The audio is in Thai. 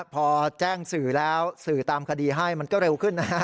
พอแจ้งสื่อแล้วสื่อตามคดีให้มันก็เร็วขึ้นนะฮะ